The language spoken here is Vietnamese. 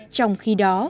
trong khi đó